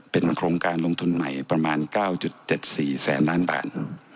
เป็นโครงการลงทุนใหม่ประมาณ๙๗๔แสนล้านบาท